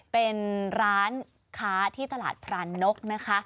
เป็นร้านค้าที่ตลาดพรานนกนะคะ